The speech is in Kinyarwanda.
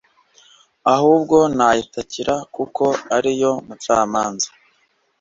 ahubwo nayitakira kuko ari yo mucamanza